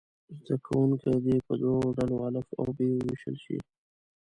زده کوونکي دې په دوو ډلو الف او ب وویشل شي.